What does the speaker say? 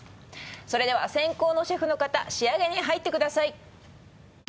それでは先攻のシェフの方仕上げに入ってください